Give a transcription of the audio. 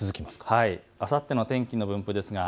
あさっての天気の分布です。